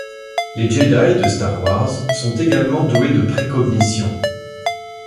Les Jedi de Star Wars sont également doués de précognition.